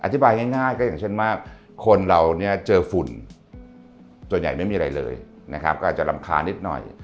ง่ายก็อย่างเช่นว่าคนเราเนี่ยเจอฝุ่นส่วนใหญ่ไม่มีอะไรเลยนะครับก็อาจจะรำคาญนิดหน่อย